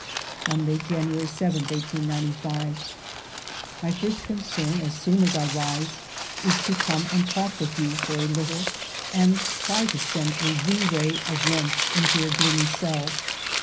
«* Monday, January 7, 1895. " My first concern as soon as I rise is to come and talk with you for a little and try to send a wee ray of warmth into your gloomy cell.